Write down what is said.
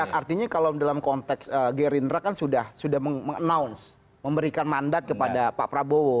ya artinya kalau dalam konteks gerindra kan sudah meng announce memberikan mandat kepada pak prabowo